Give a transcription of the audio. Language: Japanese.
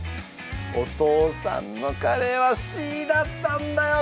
お父さんのカレーはＣだったんだよ